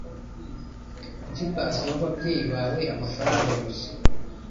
Kuki utasaba ababyeyi bawe amafaranga gusa?